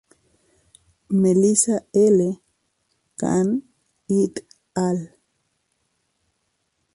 Melissa L. Cann et al.